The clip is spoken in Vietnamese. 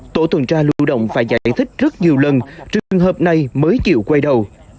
tổ tuần tra lưu động phải giải thích rất nhiều lần trường hợp này mới chịu quay đầu